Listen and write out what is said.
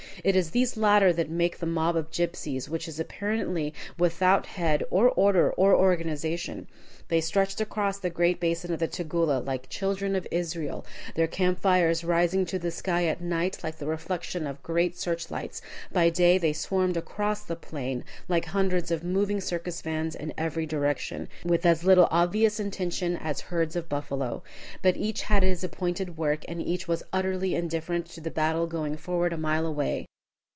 It is these latter that make the mob of gypsies, which is apparently without head or order or organization. They stretched across the great basin of the Tugela, like the children of Israel, their camp fires rising to the sky at night like the reflection of great search lights; by day they swarmed across the plain, like hundreds of moving circus vans in every direction, with as little obvious intention as herds of buffalo. But each had his appointed work, and each was utterly indifferent to the battle going forward a mile away.